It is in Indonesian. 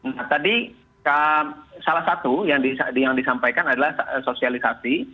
nah tadi salah satu yang disampaikan adalah sosialisasi